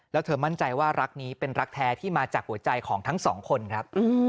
แล้วเธอมั่นใจว่ารักนี้เป็นรักแท้ที่มาจากหัวใจของทั้งสองคนครับ